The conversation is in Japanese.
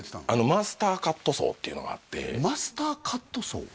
マスターカットソーっていうのがあってマスターカットソー？